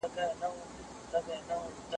تعلیم د ټولنیز بدلون مهم وسیله ګڼل کېږي.